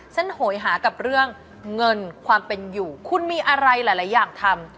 โหยหากับเรื่องเงินความเป็นอยู่คุณมีอะไรหลายอย่างทำ